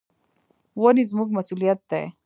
ونې زموږ مسؤلیت دي.